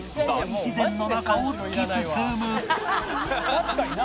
「確かにな」